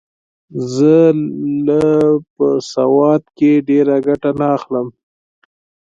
زه له په سواد کښي ډېره ګټه نه اخلم.